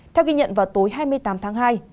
theo ghi nhận vào tối hai mươi tám tháng hai